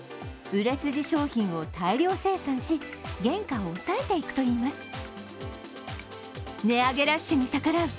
売れ筋商品を大量生産し、原価を抑えていくといいます。